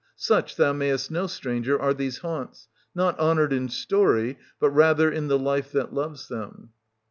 Such, thou mayest know, stranger, are these haunts, not honoured in story, but rather in the life that loves them.